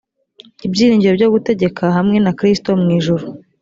ibyiringiro byo gutegeka hamwe na kristo mu ijuru